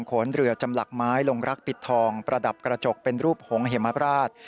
ขนเรือจำหลักไม้ลงรักปิดทองประดับกระจกเป็นรูปหงเหมราช